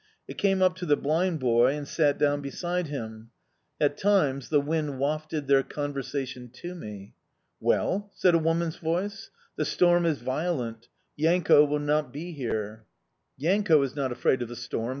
It came up to the blind boy and sat down beside him. At times the wind wafted their conversation to me. "Well?" said a woman's voice. "The storm is violent; Yanko will not be here." "Yanko is not afraid of the storm!"